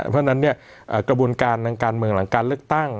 เพราะฉะนั้นกระบวนการทางการเมืองหลังการเลือกตั้ง